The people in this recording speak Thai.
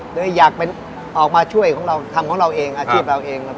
หรืออยากออกมาช่วยทำของเราเองอาชีพเราเอง